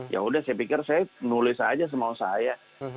ya udah saya pikir saya nulis aja semau saya